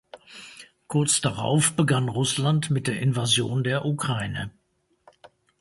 Kurz darauf begann Russland mit der Invasion der Ukraine.